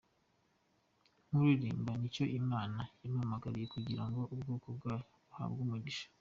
Kuririmba nicyo Imana yampamagariye kugira ngo ubwoko bwayo buhabwe umugisha.